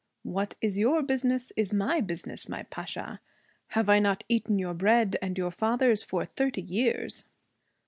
'What is your business is my business, my Pasha. Have I not eaten your bread and your father's for thirty years?'